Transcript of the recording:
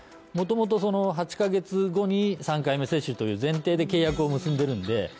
元々８ヶ月後に３回目接種という前提で契約を結んでるんで。